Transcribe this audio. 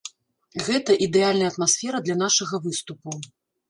Гэта ідэальная атмасфера для нашага выступу.